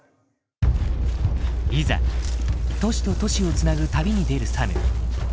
いざ都市と都市を繋ぐ旅に出るサム。